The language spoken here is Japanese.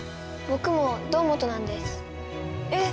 僕も堂本なんですえっ